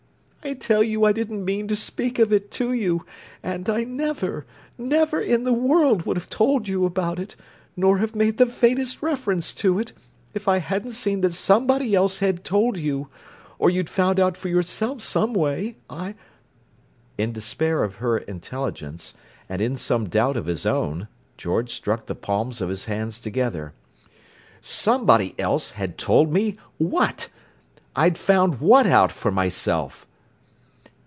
I tell you I didn't mean to speak of it to you, and I never, never in the world would have told you about it, nor have made the faintest reference to it, if I hadn't seen that somebody else had told you, or you'd found out for yourself some way. I—" In despair of her intelligence, and in some doubt of his own, George struck the palms of his hands together. "Somebody else had told me what? I'd found what out for myself?"